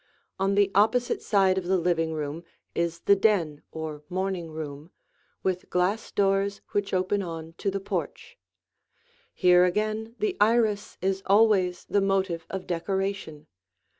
On the opposite side of the living room is the den or morning room, with glass doors which open on to the porch. Here again the iris is always the motive of decoration.